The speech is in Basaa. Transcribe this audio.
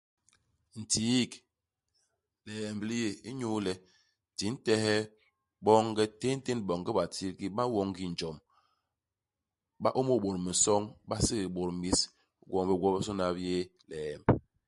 Ntiik, liemb li yé, inyu le, di ntehe boonge téntén boonge batitigi ba nwo ngi njom, ba ômôk bôt minsoñ, ba ségék bôt mis ; i gwom bi gwobisôna bi yé liemb.